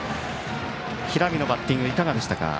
平見のバッティングはいかがでしたか？